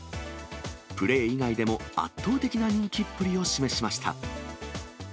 プレー以外でも圧倒的な人気っぷりを示しました。